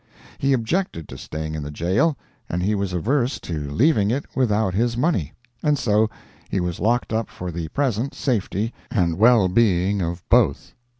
He objected to staying in the Jail, and he was averse to leaving it without his money, and so he was locked up for the present safety and well being of both.